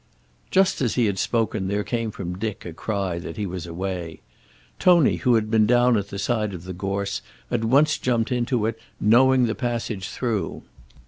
Just as he had spoken there came from Dick a cry that he was away. Tony, who had been down at the side of the gorse, at once jumped into it, knowing the passage through.